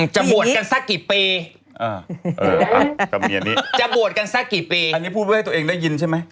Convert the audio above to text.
จะบวชละสักสี่ปี